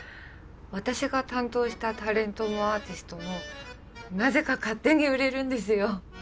私が担当したタレントもアーティストもなぜか勝手に売れるんですよ。